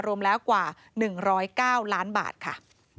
รวมแล้วกว่า๑๐๙ล้านบาทค่ะ